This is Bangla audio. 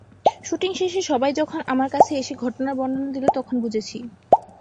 শুটিং শেষে সবাই যখন আমার কাছে এসে ঘটনার বর্ণনা দিল, তখন বুঝেছি।